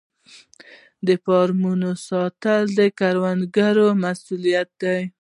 د فارمونو ساتنه د کروندګر مسوولیت دی.